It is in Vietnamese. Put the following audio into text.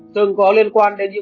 thường có liên quan đến những